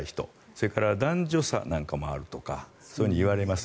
それから、男女差なんかもあるといわれます。